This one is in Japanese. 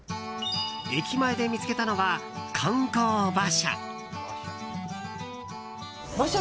駅前で見つけたのは観光馬車。